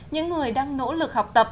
những người đang nỗ lực học tập